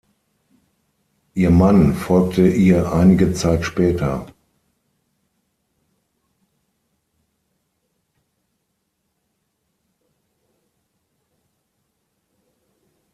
Ihr Mann folgte ihr einige Zeit später.